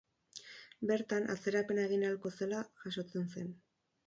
Bertan, atzerapena egin ahalko zela jasotzen zen.